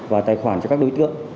và tài khoản cho các đối tượng